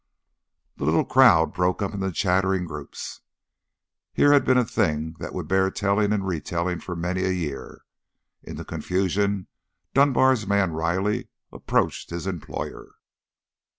The little crowd broke up into chattering groups. Here had been a thing that would bear telling and retelling for many a year. In the confusion Dunbar's man, Riley, approached his employer.